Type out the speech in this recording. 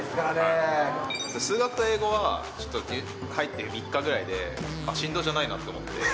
数学と英語はちょっと入って３日ぐらいで、あっ、神童じゃないなと思って。